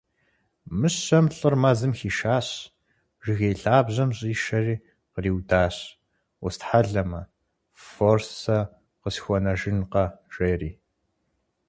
Мыщэм лӀыр мэзым хишащ, жыгей лъабжьэм щӀишэри къриудащ: - Устхьэлэмэ, фор сэ къысхуэнэжынкъэ, жери.